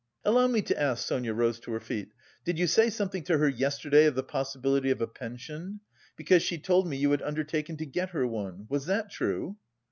"Allow me to ask," Sonia rose to her feet, "did you say something to her yesterday of the possibility of a pension? Because she told me you had undertaken to get her one. Was that true?"